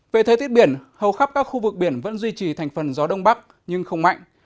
về thời tiết biển hầu khắp các khu vực biển vẫn duy trì thành phần gió đông bắc nhưng không mạnh